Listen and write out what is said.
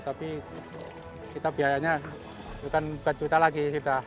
tapi kita biayanya bukan juta lagi